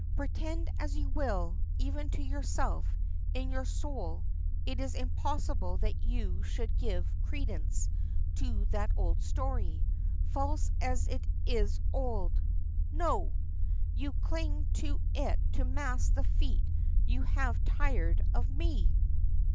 Pretend as you will, even to yourself, in your soul it is impossible that you should give credence to that old story, false as it is old. No! you cling to it to mask the feet you have tired of me."